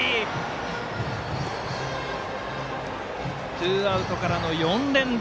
ツーアウトからの４連打。